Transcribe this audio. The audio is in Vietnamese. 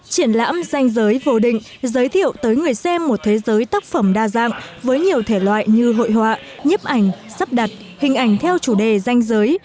triển lãm danh giới vô định giới thiệu tới người xem một thế giới tác phẩm đa dạng với nhiều thể loại như hội họa nhếp ảnh sắp đặt hình ảnh theo chủ đề danh giới